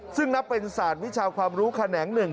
ซึ่งนับเป็นศาสตร์วิชาความรู้แขนงหนึ่ง